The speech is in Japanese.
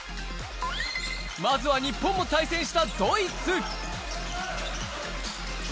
まずは日本も対戦したドイツ。